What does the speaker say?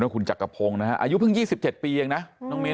คุณจักรพงนะครับอายุเพิ่ง๒๗ปีหนึ่งนะ